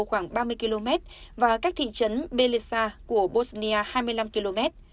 khoảng ba mươi km và cách thị trấn bellisa của bosnia hai mươi năm km